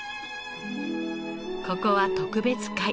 ここは特別階。